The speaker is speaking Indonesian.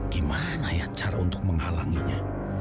gimana ya cara untuk menghalanginya